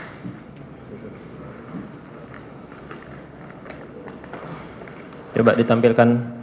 saya mau ditampilkan